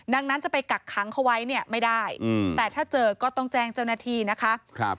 ดังนั้นจะไปกักขังเขาไว้เนี่ยไม่ได้แต่ถ้าเจอก็ต้องแจ้งเจ้าหน้าที่นะคะ